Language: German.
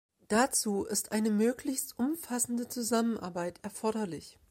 Dazu ist eine möglichst umfassende Zusammenarbeit erforderlich.